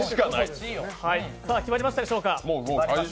決まりましたでしょうか。